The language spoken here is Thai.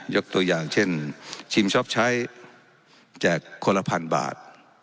ยกตัวอย่างเช่นชิมชอบใช้แจกคนละพันบาท